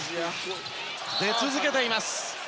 出続けています。